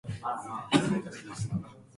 長洲賓客人數多